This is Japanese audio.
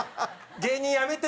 芸人やめてます